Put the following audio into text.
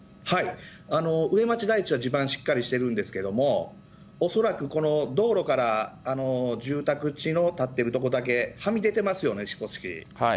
上町台地は地盤、しっかりしているんですけれども、恐らく道路から住宅地の建物の間だけはみ出てますよね、少し。